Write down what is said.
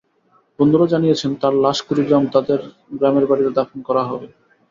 বন্ধুরা জানিয়েছেন, তাঁর লাশ কুড়িগ্রামে তাঁদের গ্রামের বাড়িতে দাফন করা হবে।